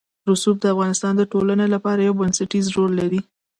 رسوب د افغانستان د ټولنې لپاره یو بنسټيز رول لري.